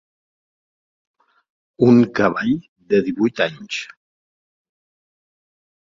Un cavall de divuit anys.